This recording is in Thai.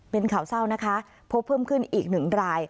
เป็นข่าวเศร้านะคะพบเพิ่มขึ้นอีกหนึ่งราย